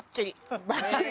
ばっちり？